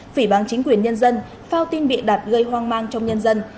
phỉ bằng chính quyền nhân dân phao tin bị đặt gây hoang mang trong nhân dân